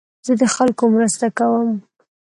زه د خلکو مرسته کوم.